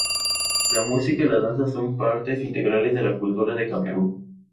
La música y la danza son partes integrales de la cultura de Camerún.